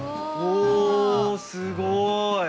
おすごい。